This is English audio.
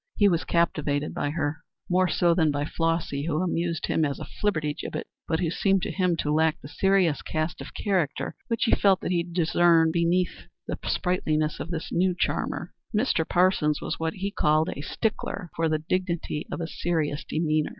He was captivated by her more so than by Flossy, who amused him as a flibbertigibbet, but who seemed to him to lack the serious cast of character which he felt that he discerned beneath the sprightliness of this new charmer. Mr. Parsons was what he called a "stickler" for the dignity of a serious demeanor.